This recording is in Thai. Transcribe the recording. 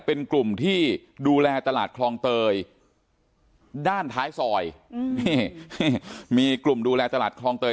เป็นกลุ่มที่ดูแลตลาดคลองเตยด้านท้ายซอยนี่มีกลุ่มดูแลตลาดคลองเตย